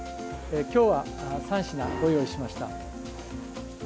今日は３品ご用意しました。